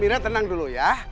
mira tenang dulu ya